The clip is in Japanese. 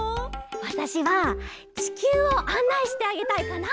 わたしはちきゅうをあんないしてあげたいかな！